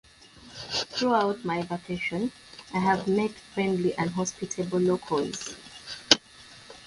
Throughout my vacation, I have met many friendly and hospitable locals.